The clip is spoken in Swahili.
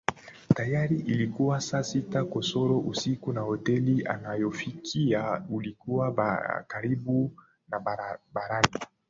Tayari ilikua saa sita kasoro usiku na hoteli anayofikia ilikuwa karibu na barabarani